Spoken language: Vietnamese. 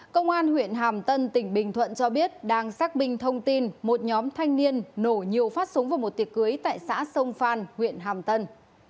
công an huyện hàm tân tỉnh bình thuận cho biết đang xác minh thông tin một nhóm thanh niên nổ nhiều phát súng vào một tiệc cưới tại xã sông phan huyện hàm tân